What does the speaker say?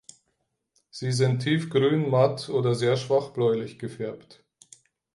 Sie sind tiefgrün, matt oder sehr schwach bläulich gefärbt.